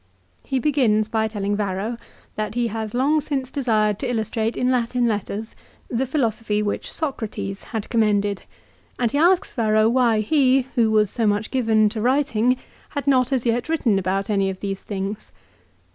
He begins by telling Varro, that he has long since desired to illustrate in Latin letters the philosophy which Socrates had commended, and he asks Varro why he, who was so much given to writing, had not as yet written about any of these things.